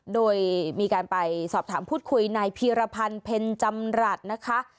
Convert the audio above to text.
โดยมีการไปสอบถามพูดคุยนายพีรพันธ์เพ็ญจำรัฐนะคะ